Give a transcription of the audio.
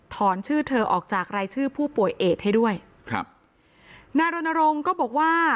ชื่อเธอออกจากรายชื่อผู้ป่วยเอดให้ด้วยครับนายรณรงค์ก็บอกว่า